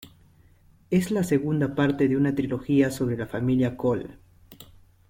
Es la segunda parte de una trilogía sobre la familia Cole.